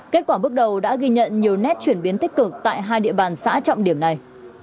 kết quả bước đầu đã ghi nhận nhiều nét chuyển biến tích cực tại hai địa bàn xã trọng điểm này